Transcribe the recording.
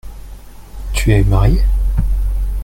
Tu es marié ?